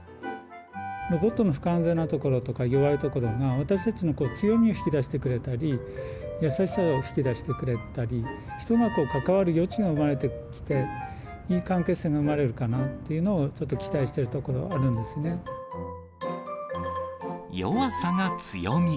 ロボットの不完全なところとか、弱いところが、私たちの強みを引き出してくれたり、優しさを引き出してくれたり、人が関わる余地が生まれてきて、いい関係性が生まれるかなっていうのをちょっと期待してるところ弱さが強み。